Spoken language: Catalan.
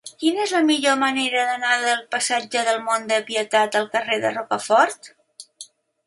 Quina és la millor manera d'anar del passatge del Mont de Pietat al carrer de Rocafort?